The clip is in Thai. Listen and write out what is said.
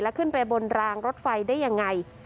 และขึ้นไปบนรางรถไฟได้อย่างไร